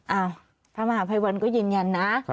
อ้าวพระมหาภัยวันก็ยืนยันนะ